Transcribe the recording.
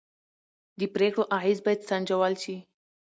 د پرېکړو اغېز باید سنجول شي